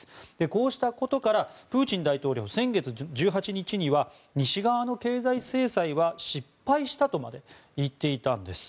こうしたことからプーチン大統領、先月１８日には西側の経済制裁は失敗したとまで言っていたんです。